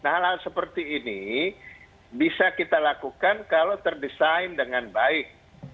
nah hal hal seperti ini bisa kita lakukan kalau terdesain dengan baik